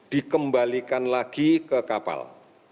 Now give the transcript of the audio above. dikembalikan lagi ke kapal